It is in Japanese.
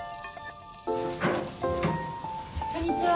こんにちは。